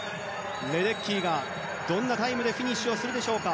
レデッキーがどんなタイムでフィニッシュをするでしょうか。